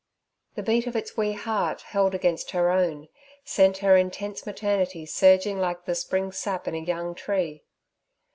The beat of its wee heart held against her own, sent her intense maternity surging like the spring sap in a young tree.